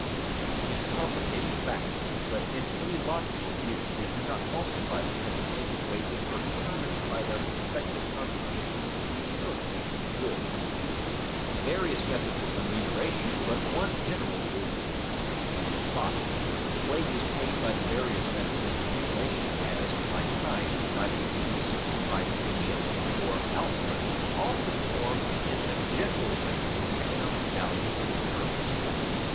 These are complicating facts, but in any logical view they do not falsify the principle that wages are determined by their prospective contribution to the utility of goods. [Sidenote: Various methods of remuneration, but one general rule] 5. _The wages paid by the various methods of remuneration as, by time, by the piece, by premium for output all conform in a general way to the economic value of the service.